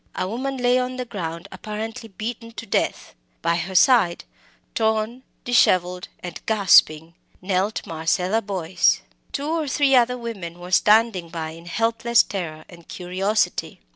A woman lay on the ground, apparently beaten to death. By her side, torn, dishevelled, and gasping, knelt Marcella Boyce. Two or three other women were standing by in helpless terror and curiosity.